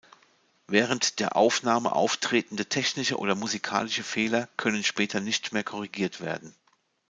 Während der Aufnahme auftretende technische oder musikalische Fehler können später nicht mehr korrigiert werden.